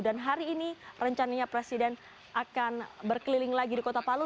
dan hari ini rencananya presiden akan berkeliling lagi di kota palu